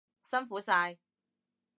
辛苦晒！